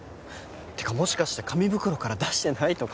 てかもしかして紙袋から出してないとか？